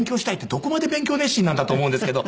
どこまで勉強熱心なんだと思うんですけど。